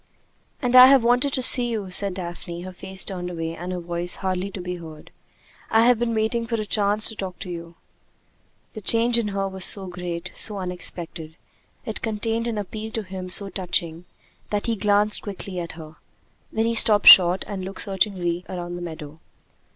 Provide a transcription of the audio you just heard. "And I have wanted to see you," said Daphne, her face turned away and her voice hardly to be heard. "I have been waiting for a chance to talk to you." The change in her was so great, so unexpected, it contained an appeal to him so touching, that he glanced quickly at her. Then he stopped short and looked searchingly around the meadow.